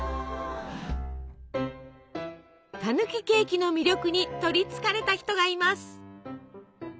たぬきケーキの魅力に取りつかれた人がいます。